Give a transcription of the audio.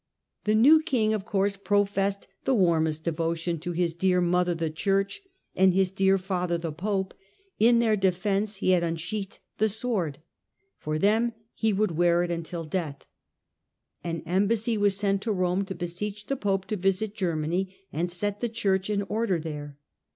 The new king of course professed the warmest devotion to his 'dear mother,' the Church, and his * dear father,' the pope ; in their defence he had unsheathed the sword, and for them he would wear it until death. An embassy was sent to Rome, to beseech the pope to visit Germany and set the Church in order there.